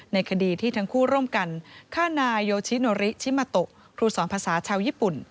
ในคดีที่ทั้งคู่ร่วมกันฆ่านายโยชิโนริชิมาโตะครูสอนภาษาชาวญี่ปุ่น